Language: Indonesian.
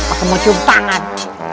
ah aku moco banget